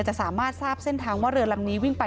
จะสามารถทราบเส้นทางว่าเรือลำนี้วิ่งไป